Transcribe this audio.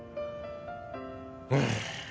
うん